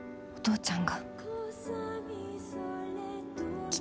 お父ちゃん！